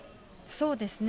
そうですね。